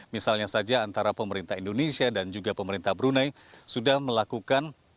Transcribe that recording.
misalnya saja antara pemerintah indonesia dan juga pemerintah brunei sudah melakukan